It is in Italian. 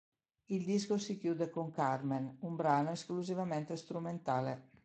Il disco si chiude con "Carmen", un brano esclusivamente strumentale.